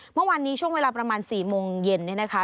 เมื่อวานนี้ช่วงเวลาประมาณ๔โมงเย็นเนี่ยนะคะ